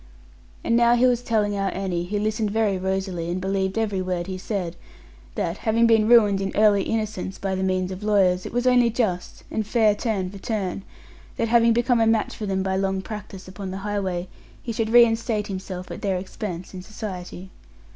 And now he was telling our Annie, who listened very rosily, and believed every word he said, that, having been ruined in early innocence by the means of lawyers, it was only just, and fair turn for turn, that having become a match for them by long practice upon the highway, he should reinstate himself, at their expense, in society.